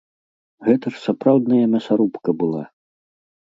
Гэта ж сапраўдная мясарубка была!